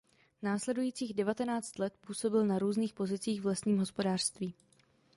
Následujících devatenáct let působil na různých pozicích v lesním hospodářství.